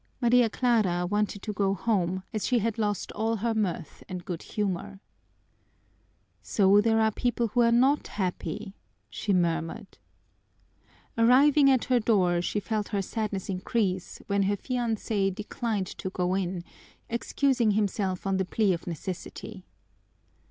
Maria Clara wanted to go home, as she had lost all her mirth and good humor. "So there are people who are not happy," she murmured. Arriving at her door, she felt her sadness increase when her fiancé declined to go in, excusing himself on the plea of necessity.